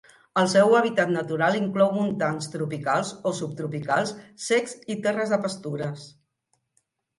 El seu hàbitat natural inclou montans tropicals o subtropicals secs i terres de pastures.